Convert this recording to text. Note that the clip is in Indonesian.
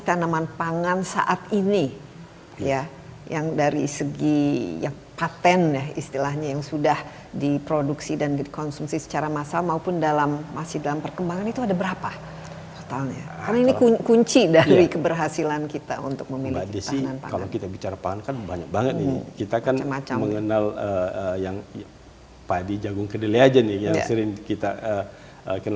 dan pasti dia lebih sehat dibanding yang lain